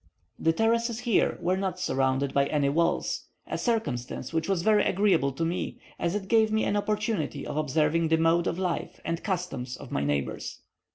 The terraces here were not surrounded by any walls, a circumstance which was very agreeable to me, as it gave me an opportunity of observing the mode of life and customs of my neighbours.